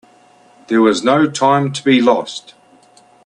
There was no time to be lost.